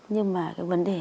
nhưng mà cái vấn đề